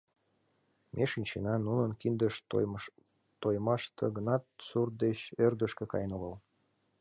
Ме шинчена: нунын киндышт тойымаште гынат, сурт деч ӧрдыжкӧ каен огыл.